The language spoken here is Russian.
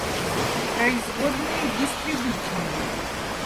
Производные дистрибутивы